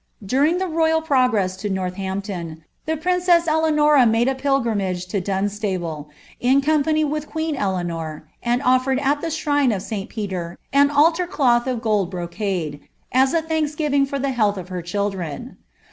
During tlie royal progress to Northampton, the leanora made a pilgrimage to Dunstable, in company with nor, and oflered at the shrine of Sl Peter an altar cloth of le, as a thanksgiving for the health of her children.